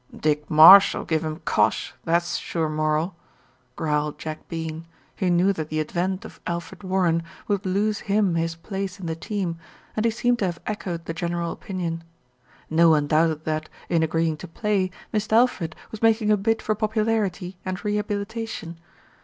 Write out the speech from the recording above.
"Dick Marsh'll give him cosh, that's a sure moral," growled Jack Bean, who knew that the advent of Alfred Warren would lose him his place in the team, and he seemed to have echoed the general opinion. No one doubted that, in agreeing to play, Mist' Alfred was making a bid for popularity and rehabilitation.